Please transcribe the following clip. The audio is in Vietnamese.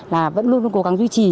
là vẫn luôn cố gắng duy trì